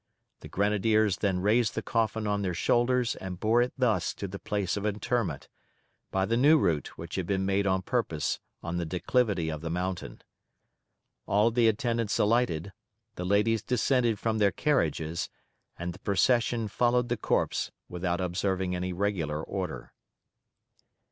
The grenadiers then raised the coffin on their shoulders and bore it thus to the place of interment, by the new route which had been made on purpose on the declivity of the mountain. All the attendants alighted, the ladies descended from their carriages, and the procession followed the corpse without observing any regular order.